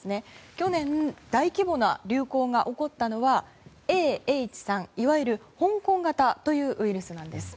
去年大規模な流行が起こったのはＡ／Ｈ３、いわゆる香港型というウイルスなんです。